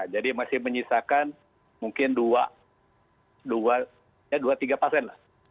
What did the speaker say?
jadi masih menyisakan mungkin dua tiga pasien